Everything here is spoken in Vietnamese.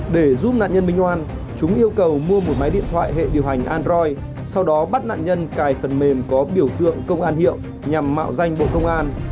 để giúp nạn nhân minh oan chúng yêu cầu mua một máy điện thoại hệ điều hành android sau đó bắt nạn nhân cài phần mềm có biểu tượng công an hiệu nhằm mạo danh bộ công an